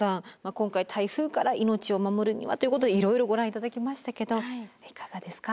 今回台風から命を守るにはということでいろいろご覧頂きましたけどいかがですか。